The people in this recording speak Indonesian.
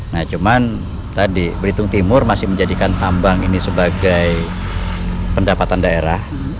nah cuman tadi belitung timur masih menjadikan tambang ini sebagai pendapatan daerah